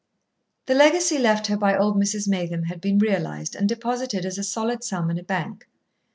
The legacy left her by old Mrs. Maytham had been realised and deposited as a solid sum in a bank.